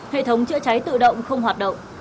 hệ thống chữa cháy tự động không hoạt động